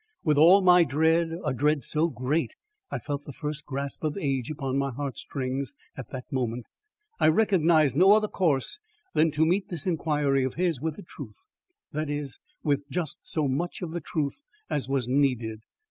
With all my dread a dread so great I felt the first grasp of age upon my heart strings at that moment I recognised no other course than to meet this inquiry of his with the truth that is, with just so much of the truth as was needed.